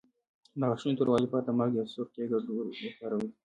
د غاښونو د توروالي لپاره د مالګې او سرکې ګډول وکاروئ